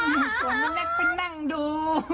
โอ้โฮนั่งไปนั่งดู